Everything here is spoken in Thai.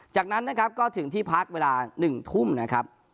จากนั้นนะครับก็ถึงที่พักเวลา๑ทุ่มนะครับ